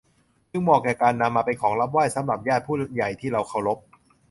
จึงเหมาะแก่การนำมาเป็นของรับไหว้สำหรับญาติผู้ใหญ่ที่เราเคารพ